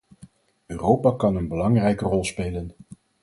Europa kan een belangrijke rol spelen.